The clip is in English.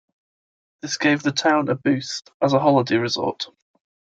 This gave the town a boost as a holiday resort.